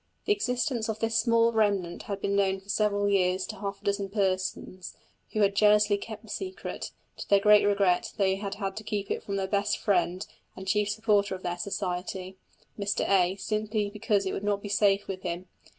The existence of this small remnant had been known for several years to half a dozen persons, who had jealously kept the secret; to their great regret they had had to keep it from their best friend and chief supporter of their Society, Mr A., simply because it would not be safe with him.